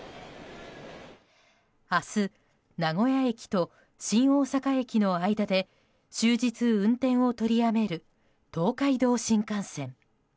明日名古屋駅と新大阪駅の間で終日、運転を取りやめる東海道新幹線。